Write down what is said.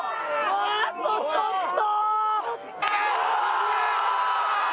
あとちょっと。